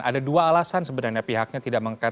ada dua alasan sebenarnya pihaknya tidak mengkaji